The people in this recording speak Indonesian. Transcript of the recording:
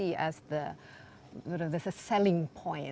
apa yang anda lihat sebagai